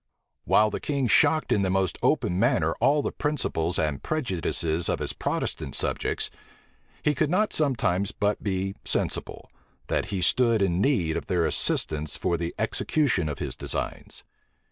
While the king shocked in the most open manner all the principles and prejudices of his Protestant subjects, he could not sometimes but be sensible, that he stood in need of their assistance for the execution of his designs.